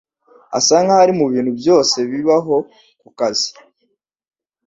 Asa nkaho ari mubintu byose bibaho kukazi